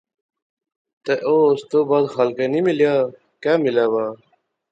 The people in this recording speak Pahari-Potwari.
تے او اس تھی بعد خالقے نی ملیا، کہہ ملے وہا